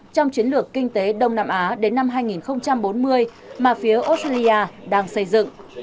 trong chiến lược kinh tế đông nam á đến năm hai nghìn bốn mươi mà phía australia đang xây dựng